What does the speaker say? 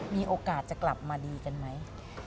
มีโอกาสจะกลับมาดีกันไหม